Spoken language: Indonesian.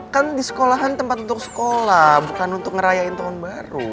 kan di sekolahan tempat untuk sekolah bukan untuk ngerayain tahun baru